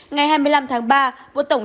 ngày hai mươi năm tháng ba